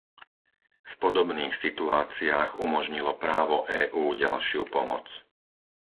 V podobných situáciách umožnilo právo EÚ ďalšiu pomoc.